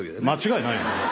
間違いないね。